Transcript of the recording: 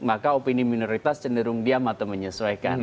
maka opini minoritas cenderung diam atau menyesuaikan